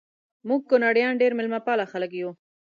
مونږ کونړیان ډیر میلمه پاله خلک یو